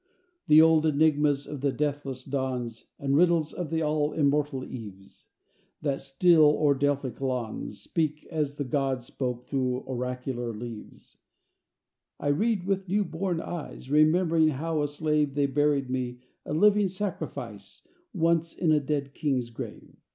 II The old enigmas of the deathless dawns, And riddles of the all immortal eves, That still o'er Delphic lawns Speak as the gods spoke through oracular leaves I read with new born eyes, Remembering how, a slave, They buried me, a living sacrifice, Once in a dead king's grave.